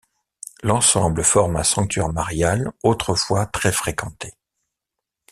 L’ensemble forme un sanctuaire marial autrefois très fréquenté.